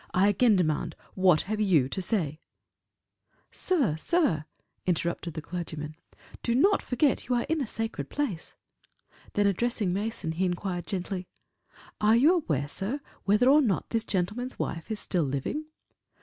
I again demand, what have you to say?" "Sir sir," interrupted the clergyman, "do not forget you are in a sacred place." Then addressing Mason, he inquired gently, "Are you aware, sir, whether or not this gentleman's wife is still living?"